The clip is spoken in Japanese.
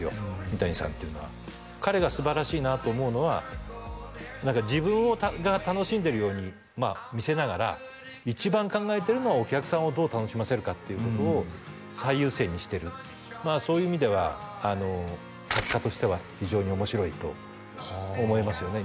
三谷さんっていうのは彼がすばらしいなと思うのは自分が楽しんでるように見せながら一番考えてるのはお客さんをどう楽しませるかっていうことを最優先にしてるそういう意味では作家としては非常に面白いと思いますよね